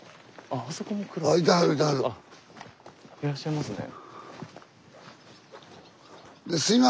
あいらっしゃいますね。